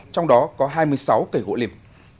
trong đó có hai mươi sáu cây gỗ liềm